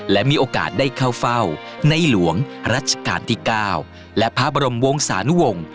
และมีโอกาสได้เข้าเฝ้าในหลวงรัชกาลที่๙และพระบรมวงศานุวงศ์